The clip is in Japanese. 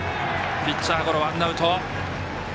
ピッチャーゴロ、ワンアウト。